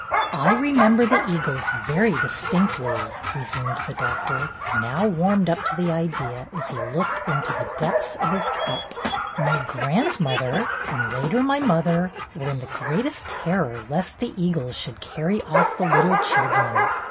"I remember the eagles very distinctly," resumed the Doctor, now warmed up to the idea, as he looked into the depths of his cup. "My grandmother, and later my mother, were in the greatest terror lest the eagles should carry off the little children.